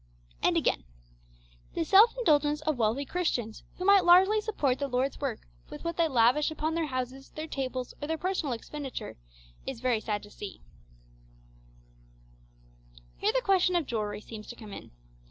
And again: 'The self indulgence of wealthy Christians, who might largely support the Lord's work with what they lavish upon their houses, their tables, or their personal expenditure, is very sad to see.'[footnote: Christian Progress, vol. iii. pp. 25, 26.] Here the question of jewellery seems to come in.